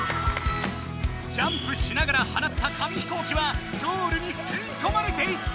ジャンプしながらはなった紙飛行機はゴールにすいこまれていった！